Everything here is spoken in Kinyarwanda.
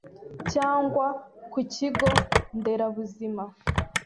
cyangwa ku kigo nderabuzima